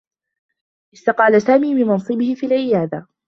استقال سامي من منصبه في العيادة.